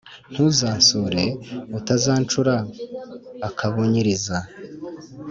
Ntuzansure utazancura akabunyiriza